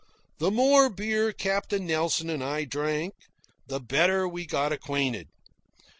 The more beer Captain Nelson and I drank, the better we got acquainted.